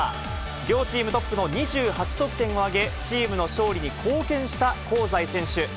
両チームトップの２８得点を挙げ、チームの勝利に貢献した香西選手。